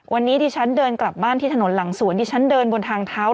วันนี้ดิฉันเดินกลับบ้านที่ถนนหลังสวนดิฉันเดินบนทางเท้า